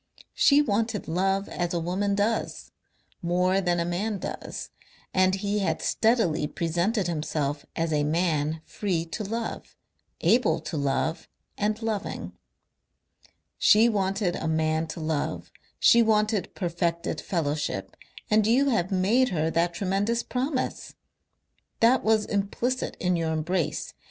She wanted love as a woman does, more than a man does, and he had steadily presented himself as a man free to love, able to love and loving. "She wanted a man to love, she wanted perfected fellowship, and you have made her that tremendous promise. That was implicit in your embrace.